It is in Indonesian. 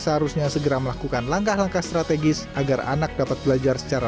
seharusnya segera melakukan langkah langkah strategis agar anak dapat belajar secara